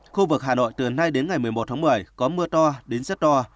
khu vực hà nội từ nay đến ngày một mươi một một mươi có mưa to đến giấc to